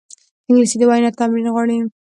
انګلیسي د وینا تمرین غواړي